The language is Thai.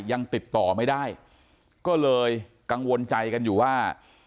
ยังติดต่อไม่ได้ก็เลยกังวลใจกันอยู่ว่า